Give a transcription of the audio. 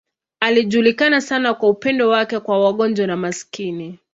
Alijulikana sana kwa upendo wake kwa wagonjwa na maskini.